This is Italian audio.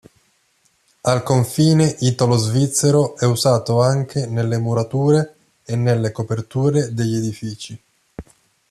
Al confine italo-svizzero, è usato anche nelle murature e nelle coperture degli edifici.